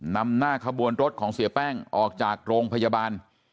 นำหน้าขบวนรถของเสียแป้งออกจากโรงพยาบาล